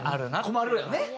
困るよね。